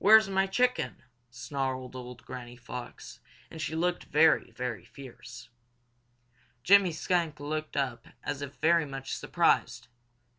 "Where's my chicken?" snarled old Granny Fox, and she looked very, very fierce. Jimmy Skunk looked up as if very much surprised.